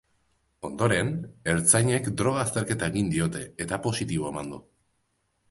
Ondoren, ertzainek droga azterketa egin diote eta positibo eman du.